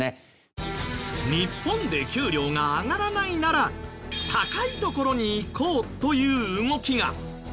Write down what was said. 日本で給料が上がらないなら高いところに行こうという動きが。